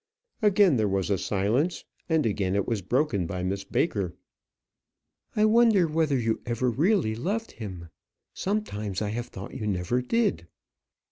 Again there was a silence, and again it was broken by Miss Baker. "I wonder whether you ever really loved him? Sometimes I have thought you never did."